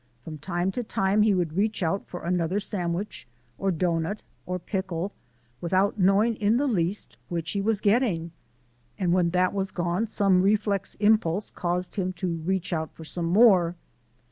From time to time he would reach out for another sandwich or doughnut or pickle (without knowing in the least which he was getting), and when that was gone some reflex impulse caused him to reach out for some more.